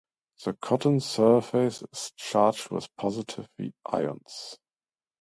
The cotton surface is charged with positive ions.